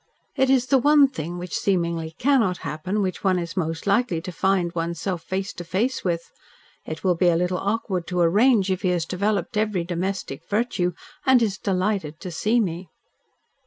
"It is the thing which seemingly CANNOT happen which one is most likely to find one's self face to face with. It will be a little awkward to arrange, if he has developed every domestic virtue, and is delighted to see me."